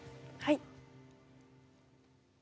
はい。